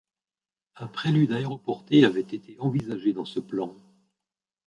Un prélude aéroporté avait été envisagé dans ce plan.